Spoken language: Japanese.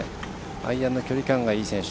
アイアンの距離感がいい選手。